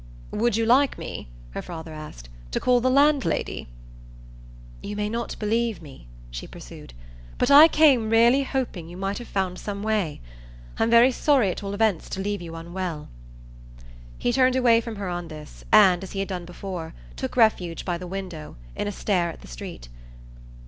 "Would you like me," her father asked, "to call the landlady?" "You may not believe me," she pursued, "but I came really hoping you might have found some way. I'm very sorry at all events to leave you unwell." He turned away from her on this and, as he had done before, took refuge, by the window, in a stare at the street.